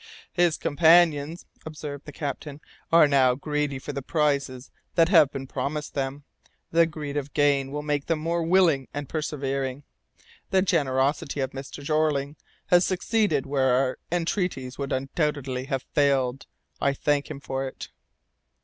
"His companions," observed the captain, "are now greedy for the prizes that have been promised them. The greed of gain will make them more willing and persevering. The generosity of Mr. Jeorling has succeeded where our entreaties would undoubtedly have failed. I thank him for it."